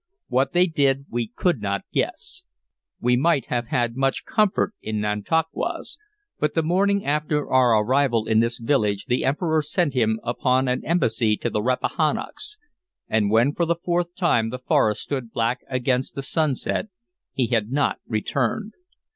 What they did we could not guess. We might have had much comfort in Nantauquas, but the morning after our arrival in this village the Emperor sent him upon an embassy to the Rappahannocks, and when for the fourth time the forest stood black against the sunset he had not returned.